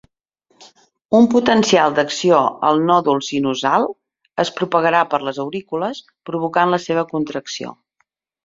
Un potencial d'acció al nòdul sinusal es propagarà per les aurícules provocant la seva contracció.